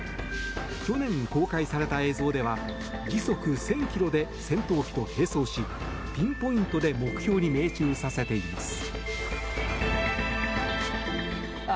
去年、公開された映像では時速１０００キロで戦闘機と並走し、ピンポイントで目標に命中させています。